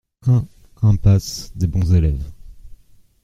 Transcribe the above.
un impasse des Bons Eleves